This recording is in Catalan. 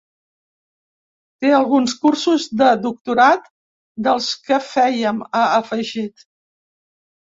Té alguns cursos de doctorat dels que fèiem, ha afegit.